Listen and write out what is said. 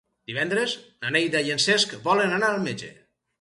Divendres na Neida i en Cesc volen anar al metge.